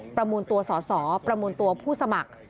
ประมูลตัวสอสอประมูลตัวผู้สมัคร